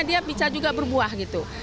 dia bisa juga berbuah gitu